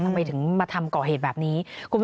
ทำไมถึงมาทำก่อเหตุแบบนี้